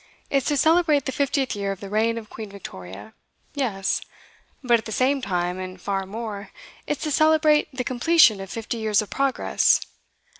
It's to celebrate the fiftieth year of the reign of Queen Victoria yes: but at the same time, and far more, it's to celebrate the completion of fifty years of Progress.